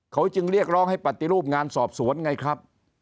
เขาจึงเรียกร้องให้ปฏิรูปงานสอบสวนไงครับ